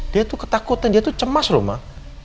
dia tuh ketakutan dia tuh cemas loh mah